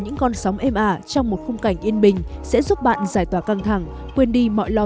những con sóng êm ả trong một khung cảnh yên bình sẽ giúp bạn giải tỏa căng thẳng quên đi mọi lo